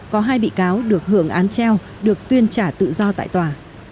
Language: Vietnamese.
có hai bị cáo được hưởng án treo được tuyên trả tự do tại tòa